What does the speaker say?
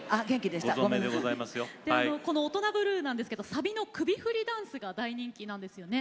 でこの「オトナブルー」なんですけどサビの首振りダンスが大人気なんですよね。